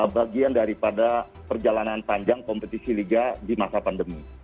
bagian daripada perjalanan panjang kompetisi liga di masa pandemi